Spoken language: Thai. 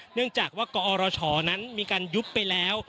เนื่องจากว่ากอรชนั้นมีการยุบไปแล้ว